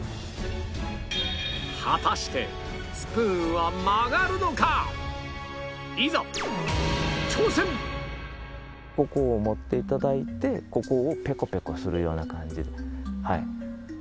果たしていざここを持っていただいてここをペコペコするような感じで。